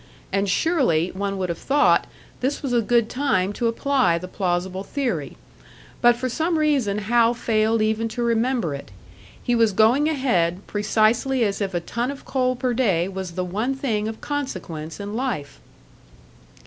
And surely, one would have thought, this was a good time to apply the plausible theory. But for some reason Hal failed even to remember it. He was going ahead, precisely as if a ton of coal per day was the one thing of consequence in life!